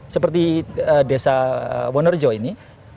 seperti desa wonerjo ini